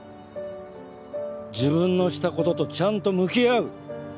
自分のしたこととちゃんと向き合う。